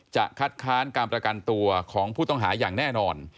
จะคัดค้านการประกันตัวของผู้ต้องหาอย่างแน่นอน